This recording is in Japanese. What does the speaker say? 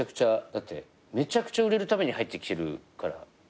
だってめちゃくちゃ売れるために入ってきてるから。